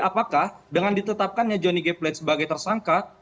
apakah dengan ditetapkannya johnny gaplet sebagai tersangka